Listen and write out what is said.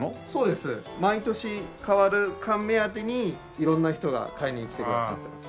毎年変わる缶目当てに色んな人が買いにきてくださってます。